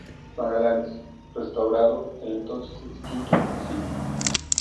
Magalhães., restaurando el entonces extinto municipio.